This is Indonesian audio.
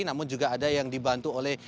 namun juga ada yang dibantu oleh